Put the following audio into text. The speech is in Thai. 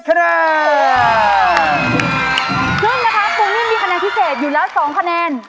ก็คือพูดถึงนะคะปูมิ้นมีคะแนทิเศษอยู่แล้ว๒คะแนน